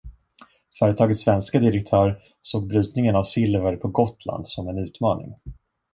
Företagets svenske direktör såg brytningen av silver på Gotland som en utmaning.